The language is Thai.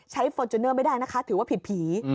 ฟอร์จูเนอร์ไม่ได้นะคะถือว่าผิดผี